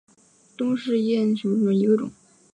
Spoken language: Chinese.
东氏艳拟守瓜为金花虫科艳拟守瓜属下的一个种。